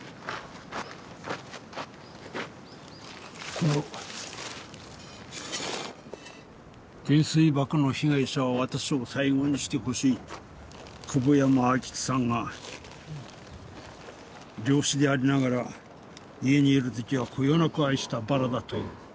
この「原水爆の被害者は私を最後にしてほしい」と久保山愛吉さんが漁師でありながら家にいる時はこよなく愛したバラだという。